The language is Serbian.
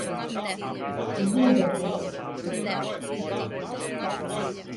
виде Бог